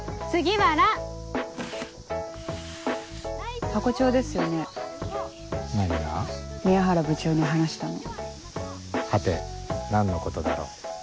はて何のことだろう。